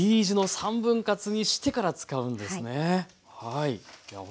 Ｔ字の３分割にしてから使うんですね。